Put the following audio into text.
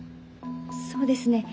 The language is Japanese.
そうですね